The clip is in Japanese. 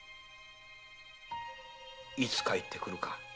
“いつ帰ってくるか”